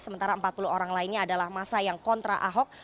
sementara empat puluh orang lainnya adalah masa yang kontra ahok